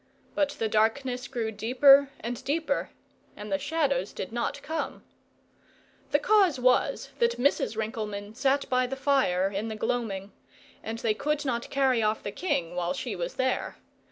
But the darkness grew deeper and deeper, and the shadows did not come. The cause was, that Mrs. Rinkelmann sat by the fire in the gloaming; and they could not carry off the king while she was there.